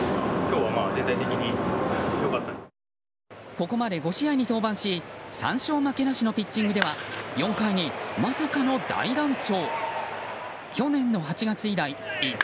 ここまで５試合に登板し３勝負けなしのピッチングでは４回に、まさかの大乱調。